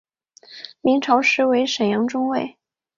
明朝时为沈阳中卫。